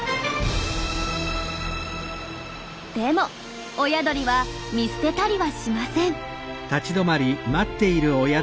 でも親鳥は見捨てたりはしません。